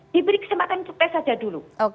diberi kesempatan untuk tes saja dulu